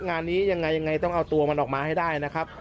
งานนี้ยังไงต้องเอาตัวมันออกมาให้ได้นะครับ